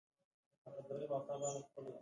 د احمد باسکل کونګري غلي کړي دي.